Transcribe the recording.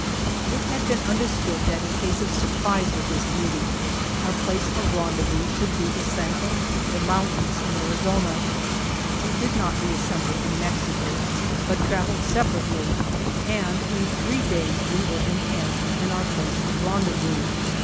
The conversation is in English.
It had been understood that in case of sur prise with this booty, our place of rendez vous should be the Santa Bita Mountains in Arizona. We did not reassemble in Mexico, but traveled separately and in three days we were encamped in our place of rendezvous.